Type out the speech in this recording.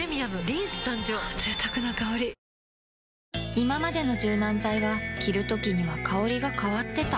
いままでの柔軟剤は着るときには香りが変わってた